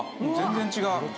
全然違う。